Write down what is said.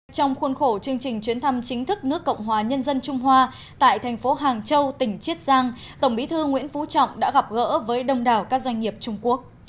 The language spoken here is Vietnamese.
trong khuôn khổ chương trình chuyến thăm chính thức nước cộng hòa nhân dân trung hoa tại thành phố hàng châu tỉnh chiết giang tổng bí thư nguyễn phú trọng đã gặp gỡ với đông đảo các doanh nghiệp trung quốc